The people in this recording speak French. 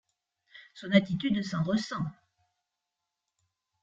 Son attitude s'en ressent.